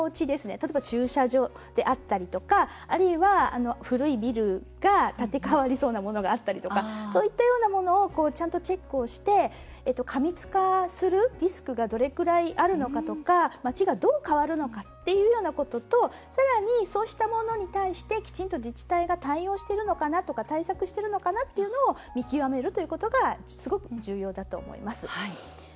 例えば、駐車場であったりとかあるいは、古いビルが建て替わりそうなものがあったりとかそういうのをチェックして過密化するリスクがどれくらいあるのかとか街がどう変わるのかということとさらに、そうしたものに対してきちんと自治体が対応しているか対策しているかを見極めるということがすごく重要だと思います。